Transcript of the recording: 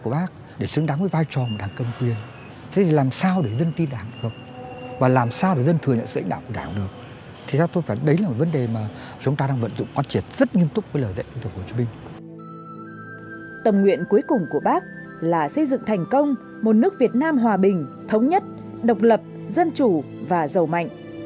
bác là xây dựng thành công một nước việt nam hòa bình thống nhất độc lập dân chủ và giàu mạnh